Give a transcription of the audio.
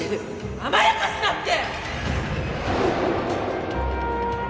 甘やかすなって！